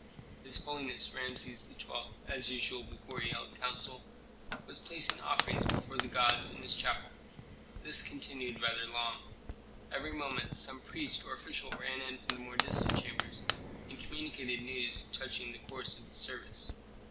His holiness Rameses XII., as usual before he held council, was placing offerings before the gods in his chapel. This continued rather long. Every moment some priest or official ran in from the more distant chambers and communicated news touching the course of the service.